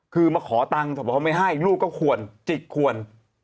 คือมาขอตังค์แต่พอเขาไม่ให้ลูกก็ควรจิกควร